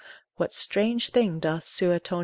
What strange thing doth Sueton.